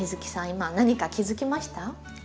今何か気付きました？